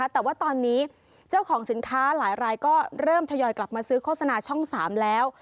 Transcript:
แต่ว่าตอนนี้เจ้าของสินค้าหลายรายก็เริ่มทยอยกลับมาซื้อโฆษณาช่อง๓แล้ว